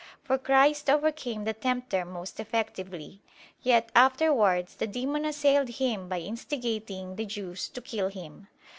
For Christ overcame the tempter most effectively. Yet afterwards the demon assailed Him by instigating the Jews to kill Him.